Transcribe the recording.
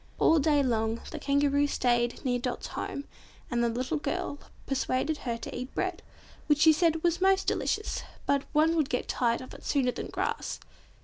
All day long the Kangaroo stayed near Dot's home, and the little girl persuaded her to eat bread, which she said was "most delicious, but one would get tired of it sooner than grass."